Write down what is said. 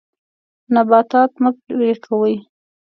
نباتات مه پرې کوئ.